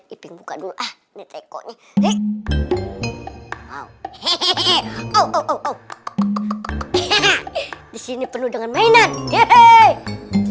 ii ping buka dulu ah ini tekonya hehehe oh oh oh oh hehehe disini penuh dengan mainan hehehe